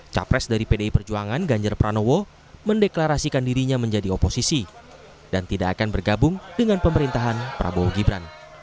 capres dari pdi perjuangan ganjar pranowo mendeklarasikan dirinya menjadi oposisi dan tidak akan bergabung dengan pemerintahan prabowo gibran